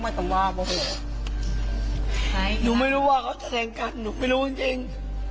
แม่จะยอมรับไม่ยอมรับก็ไม่รู้แต่รู้ถึง